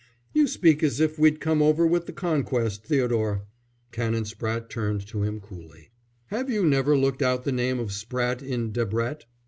"You speak as if we'd come over with the Conquest, Theodore." Canon Spratte turned to him coolly. "Have you never looked out the name of Spratte in Debrett?"